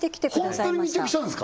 ホントに密着したんですか？